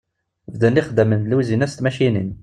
Beddlen ixeddamne n lewzin-a s tmacicin.